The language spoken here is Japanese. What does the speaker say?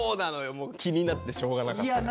もう気になってしょうがなかったから。